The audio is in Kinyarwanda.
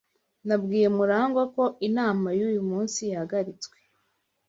Nabwiye Murangwa ko inama yuyu munsi yahagaritswe.